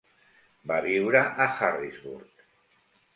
Va viure a Harrisburg.